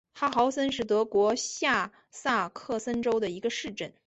哈豪森是德国下萨克森州的一个市镇。